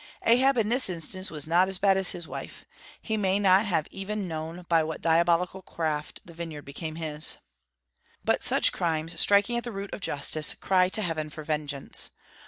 Ahab in this instance was not as bad as his wife. He may not even have known by what diabolical craft the vineyard became his. But such crimes, striking at the root of justice, cry to heaven for vengeance.